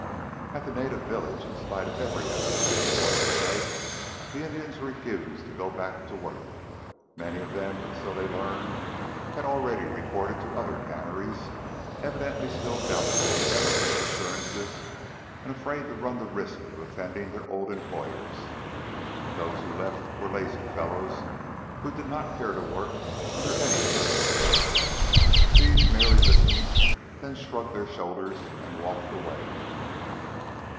At the native village, in spite of every effort she and Boyd could make, the Indians refused to go back to work. Many of them, so they learned, had already reported to the other canneries, evidently still doubtful of Emerson's assurances, and afraid to run the risk of offending their old employers. Those who were left were lazy fellows who did not care to work under any circumstances; these merely listened, then shrugged their shoulders and walked away.